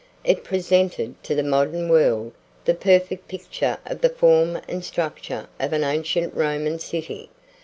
It presented, to the modern world, the perfect picture of the form and structure of an ancient Roman city.